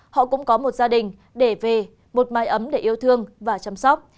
họ cũng có một gia đình để về một mái ấm để yêu thương và chăm sóc